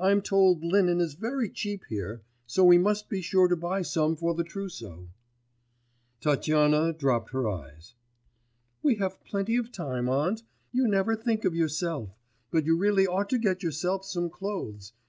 I'm told linen is very cheap here, so we must be sure to buy some for the trousseau.' Tatyana dropped her eyes. 'We have plenty of time, aunt. You never think of yourself, but you really ought to get yourself some clothes.